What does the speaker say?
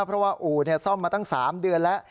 เพราะว่าอู่ซ่อมมาตั้ง๓เดือนแล้ว